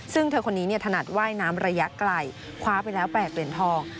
ซึ่งเธอคนนี้ถนัดว่ายน้ำระยะไกลคว้าไปแล้ว๘เหรียญทอง